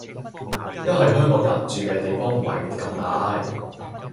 一係香港人住嘅地方唔係咁大